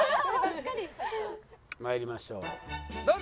まいりましょうどうぞ。